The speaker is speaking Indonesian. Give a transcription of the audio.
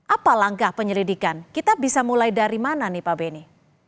apa langkah penyelidikan kita bisa mulai dari mana nih pak beni